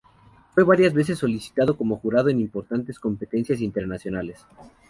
Fue varias veces solicitado como jurado en importantes competencias internacionales.